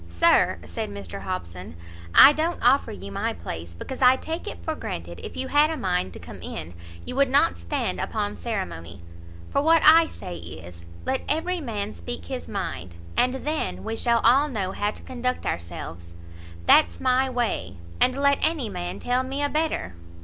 "Sir," said Mr Hobson, "I don't offer you my place, because I take it for granted if you had a mind to come in, you would not stand upon ceremony; for what I say is, let every man speak his mind, and then we shall all know how to conduct ourselves. That's my way, and let any man tell me a better!"